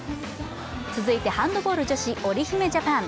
続いてハンドボール女子、おりひめジャパン。